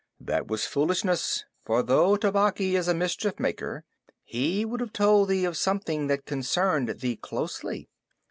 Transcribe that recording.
"That was foolishness, for though Tabaqui is a mischief maker, he would have told thee of something that concerned thee closely.